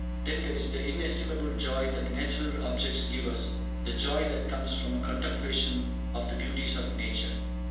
Then there is the inestimable joy that natural objects give us, the joy that comes from a contemplation of the beauties of nature.